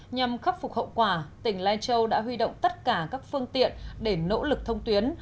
nhằm khắc phục hậu quả tỉnh lai châu đã huy động tất cả các phương tiện để nỗ lực thông tuyến